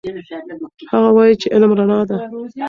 هغه وایي چې علم رڼا ده.